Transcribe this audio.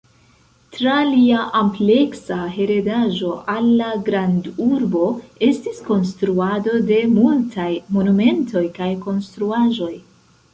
Tra lia ampleksa heredaĵo al la grandurbo estis konstruado de multaj monumentoj kaj konstruaĵoj.